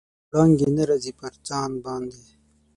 وړانګې نه راځي، پر ځان باندې